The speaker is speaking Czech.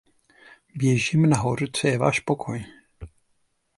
Běžím nahoru, co je váš pokoj.